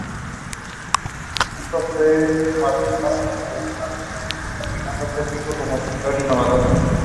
Actualmente el cuy forma parte de la dieta de los pueblos andinos.